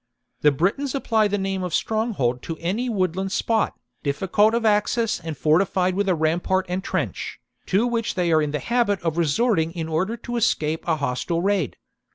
The Britons apply the name of stronghold to any woodland spot, difficult of access and fortified with a rampart and trench, to which they are in the habit of resorting in order to escape a hostile raid.